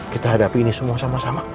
kita hadapi ini semua sama sama